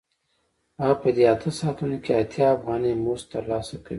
هغه په دې اته ساعتونو کې اتیا افغانۍ مزد ترلاسه کوي